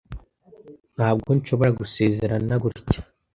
Ntabwo nshobora gusezerana gutya.